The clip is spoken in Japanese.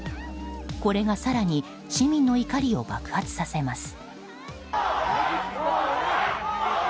これが更に市民の怒りを爆発させます。